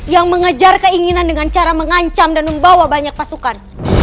yang mengejar keinginan dengan cara mengancam dan membawa banyak pasukan